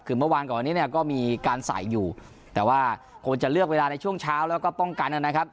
คือเมื่อวานก่อนอันนี้เนี่ยก็มีการใส่อยู่แต่ว่าคงจะเลือกเวลาในช่วงเช้าแล้วก็ป้องกันนะครับ